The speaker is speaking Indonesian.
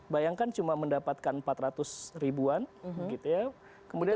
bayangkan cuma mendapatkan empat ratus ribuan gitu ya